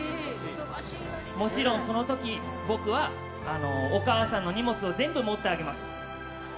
もちろんその時、僕はお母さんの荷物を全部持ってあげます。